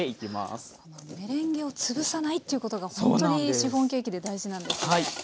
このメレンゲを潰さないっていうことがほんとにシフォンケーキで大事なんですね。